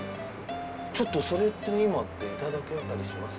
ちょっとそれって今いただけたりします？